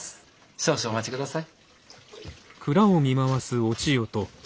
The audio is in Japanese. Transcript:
少々お待ち下さい。